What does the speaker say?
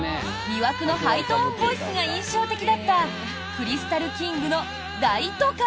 魅惑のハイトーンボイスが印象的だったクリスタルキングの「大都会」。